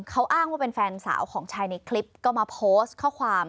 เขาอ้างว่าเป็นแฟนสาวของชายในคลิปก็มาโพสต์ข้อความ